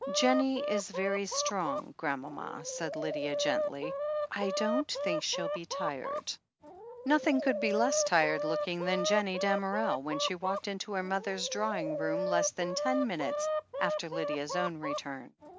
"Jennie is very strong, grandmama," said Lydia gently. "I don't think she'U be tired." Nothing could be less tired looking than Jennie Damerel, when she walked into her mother's drawing room less than ten minutes after Lydia's own return.